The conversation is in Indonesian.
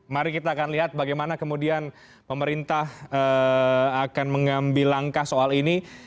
mari kita akan lihat bagaimana kemudian pemerintah akan mengambil langkah soal ini